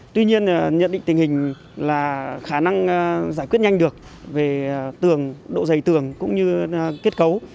tuy nhiên nhận định tình hình là khả năng giải quyết nhanh được về tường độ dày tường cũng như kết cấu